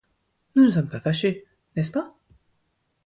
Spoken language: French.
Nous ne sommes pas fâchés, n'est-ce pas?